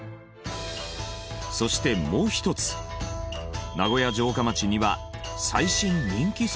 そしてもう一つ名古屋城下町には最新人気スポットが。